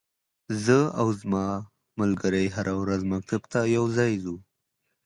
زه او ځما ملګری هره ورځ مکتب ته یوځای زو.